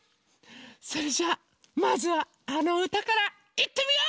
それじゃあまずはあのうたからいってみよう！